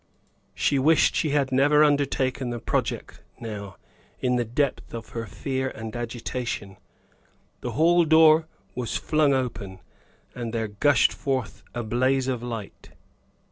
She wished she had never undertaken the project, now, in the depth of her fear and agitation. The hall door was flung open, and there gushed forth a blaze of light.